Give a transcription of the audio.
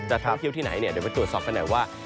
เดี๋ยวไปตรวจสอบกันหน่อยว่า